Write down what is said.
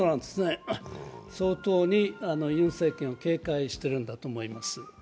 相当にユン政権を警戒してるんだと思います。